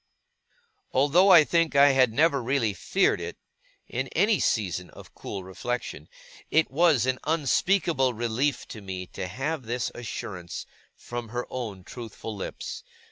Although I think I had never really feared it, in any season of cool reflection, it was an unspeakable relief to me to have this assurance from her own truthful lips.